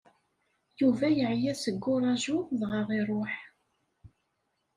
Yuba yeɛya seg uraju dɣa iruḥ.